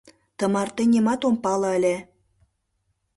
Тымарте нимат ом пале ыле.